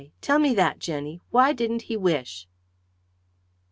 Tell me that, Jenny! Why didn't he wish?"